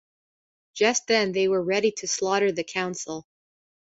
Just then they were ready to slaughter the Council.